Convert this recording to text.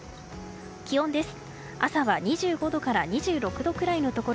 気温です。